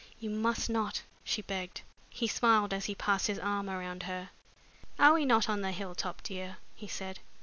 "You must not!" she begged. He smiled as he passed his arm around her. "Are we not on the hill top, dear?" he said.